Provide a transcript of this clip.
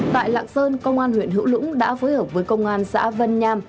tại lạng sơn công an huyện hữu lũng đã phối hợp với công an xã vân nham